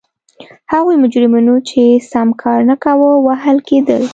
هغو مجرمینو چې سم کار نه کاوه وهل کېدل.